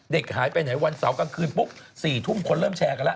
เด็กหายไปไหนวันเสาร์กลางคืนปุ๊บ๔ทุ่มคนเริ่มแชร์กันแล้ว